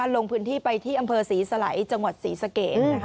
ลงพื้นที่ไปที่อำเภอศรีสไหลจังหวัดศรีสเกต